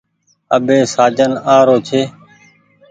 اٻي سآجن آ رو ڇي۔